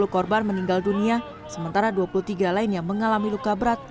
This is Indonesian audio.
sepuluh korban meninggal dunia sementara dua puluh tiga lain yang mengalami luka berat